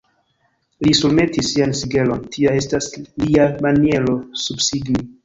Li surmetis sian sigelon: tia estas lia maniero subsigni.